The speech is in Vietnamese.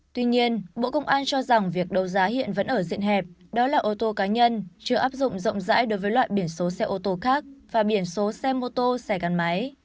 tuy nhiên bộ công an cho rằng việc đấu giá hiện vẫn ở diện hẹp đó là ô tô cá nhân chưa áp dụng rộng rãi đối với loại biển số xe ô tô khác và biển số xe mô tô xe gắn máy